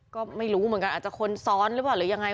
ก็ไม่รู้เหมือนกันอาจจะคนซ้อนหรืออย่างไร